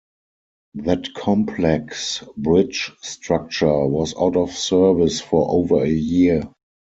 That complex bridge structure was out of service for over a year.